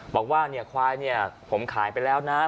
บอกว่าเนี่ยควายเนี่ยผมขายไปแล้วนะ